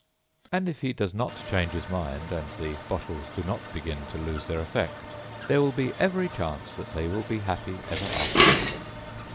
â And if he does not change his mind, and the bottles do not begin to lose their effect, there will be every chance that they will be happy ever afterwards.